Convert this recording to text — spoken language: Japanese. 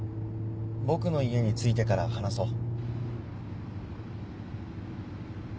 僕の家に着いてから話そう。